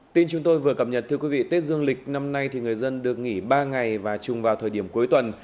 tin chúng tôi vừa cập nhật thưa quý vị tết dương lịch năm nay thì người dân được nghỉ ba ngày và chung vào thời điểm cuối tuần